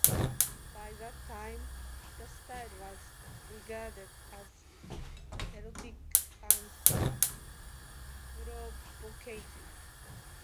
By that time, the style was regarded as erotic and provocative.